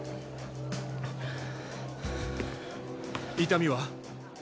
痛みは？